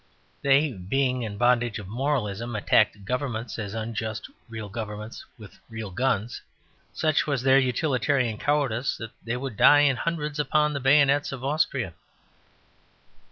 They, being in the bondage of "moralism," attacked Governments as unjust, real Governments, with real guns. Such was their utilitarian cowardice that they would die in hundreds upon the bayonets of Austria.